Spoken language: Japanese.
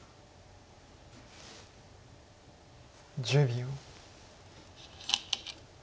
１０秒。